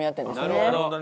なるほど。